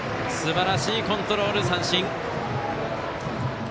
すばらしいコントロール三振！